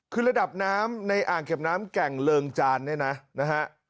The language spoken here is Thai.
คือระดับน้ำในอ่างเก็บน้ำแก่งเริงจานเนี่ยนะนะฮะ